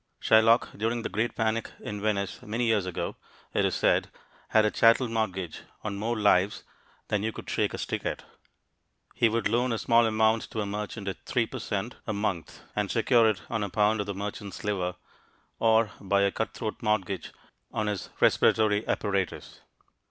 Shylock, during the great panic in Venice, many years ago, it is said, had a chattel mortgage on more lives than you could shake a stick at. He would loan a small amount to a merchant at three per cent, a month, and secure it on a pound of the merchant's liver, or by a cut throat mortgage on his respiratory apparatus.